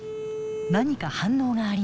何か反応がありました。